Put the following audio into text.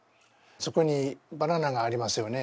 そこにバナナがありますよね。